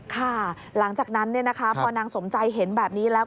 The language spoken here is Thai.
หลังจากนั้นพอนางสมใจเห็นแบบนี้แล้ว